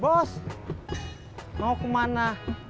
bos mau kemana